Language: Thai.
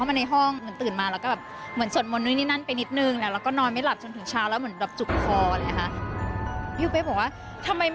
ไม่ได้เลยอุดอัดเหมือนกันเลยไหมแบบเออหายใจไม่ออกใช่ใช่ไหมใช่ไหม